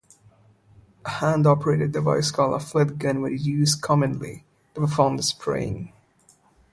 A hand-operated device called a Flit gun was commonly used to perform the spraying.